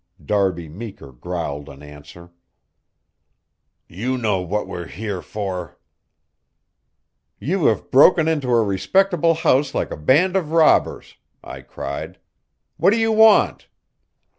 Darby Meeker growled an answer. "You know what we're here for." "You have broken into a respectable house like a band of robbers," I cried. "What do you want?"